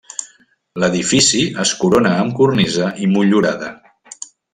L'edifici es corona amb cornisa i motllurada.